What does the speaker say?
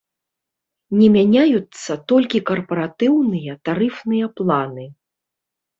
Не мяняюцца толькі карпаратыўныя тарыфныя планы.